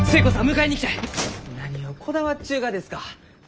何をこだわっちゅうがですか？